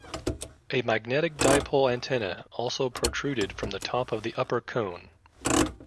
A magnetic dipole antenna also protruded from the top of the upper cone.